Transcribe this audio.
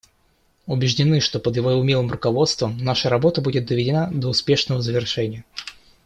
Убеждены, что под его умелым руководством наша работа будет доведена до успешного завершения.